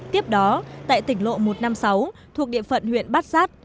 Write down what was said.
tiếp đó tại tỉnh lộ một trăm năm mươi sáu thuộc địa phận huyện bát sát